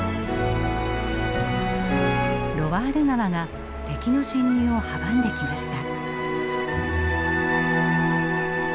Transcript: ロワール川が敵の侵入を阻んできました。